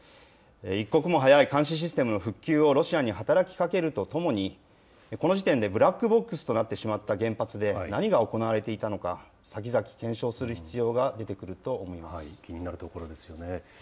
一刻も早い監視システムの復旧をロシアに働きかけるとともに、この時点でブラックボックスとなってしまった原発で何が行われていたのか、先々、検証する必要が出気になるところですよね。